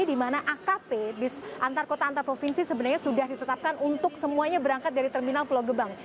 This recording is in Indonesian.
di mana akp antar kota antar provinsi sebenarnya sudah ditetapkan untuk semuanya berangkat dari terminal pulau gebang